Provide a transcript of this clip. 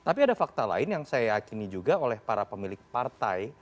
tapi ada fakta lain yang saya yakini juga oleh para pemilik partai